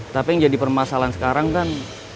tapi yang jadi permasalahan sekarang kan